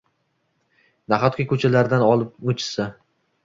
Nahotki ko‘chalaridan olib o‘tishsa?